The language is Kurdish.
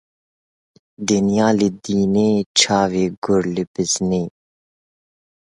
Dinya li dinê, çavê gur li bizinê.